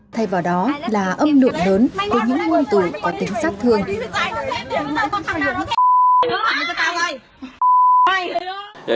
thay vào đó là âm lượng lớn của những nguồn từ có tính sát thương